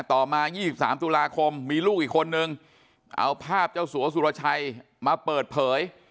ต่อมา๒๓ตุลาคมมีลูกอีกคนนึงเอาภาพเจ้าสัวสุรชัยมาเปิดเผย